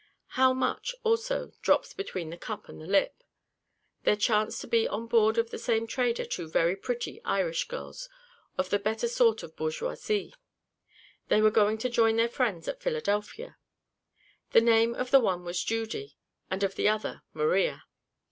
How much, also, drops between the cup and the lip! There chanced to be on board of the same trader two very pretty Irish girls of the better sort of bourgeoisie; they were going to join their friends at Philadelphia: the name of the one was Judy, and of the other Maria.